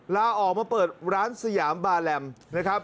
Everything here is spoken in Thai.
ลาออกมาเปิดร้านสยามบาแลมนะครับ